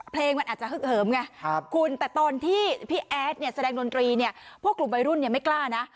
เพลงมันอาจจะฮึกเหิมไงคุณแต่ตอนที่พี่แอดเนี่ยแสดงดนตรีเนี่ยพวกกลุ่มวัยรุ่นเนี่ยไม่กล้านะ